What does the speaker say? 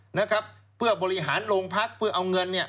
นะครับเพื่อบริหารโรงพักเพื่อเอาเงินเนี่ย